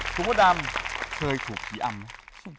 คุณพระดำเคยถูกผีอำไหม